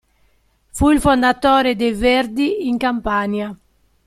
Fu il fondatore dei Verdi in Campania.